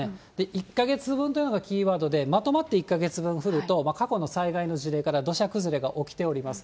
１か月分というのがキーワードで、まとまって１か月分降ると、過去の災害の事例から土砂崩れが起きております。